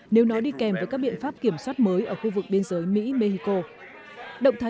nếu nó đi kèm với các biện pháp kiểm soát mới ở khu vực biên giới mỹ mexico